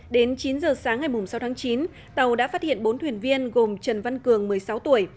đến chín giờ sáng ngày sáu tháng chín tàu đã phát hiện bốn thuyền viên gồm trần văn cường một mươi sáu tuổi